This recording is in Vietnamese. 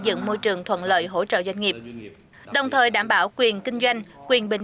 dựng môi trường thuận lợi hỗ trợ doanh nghiệp đồng thời đảm bảo quyền kinh doanh quyền bình